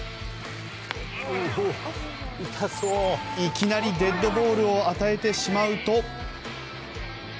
いきなりデッドボールを与えてしまうと。